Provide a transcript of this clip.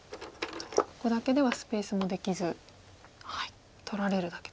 ここだけではスペースもできず取られるだけと。